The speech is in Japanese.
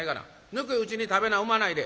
ぬくいうちに食べなうまないで。